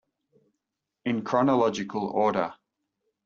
In chronological order.